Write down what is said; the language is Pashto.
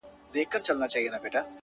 • اورنګ زېب ویل پر ما یو نصیحت دی,